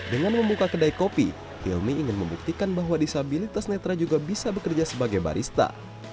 dengan membuka kedai kopi hilmi ingin membuktikan bahwa disabilitas netra juga bisa bekerja sebagai barista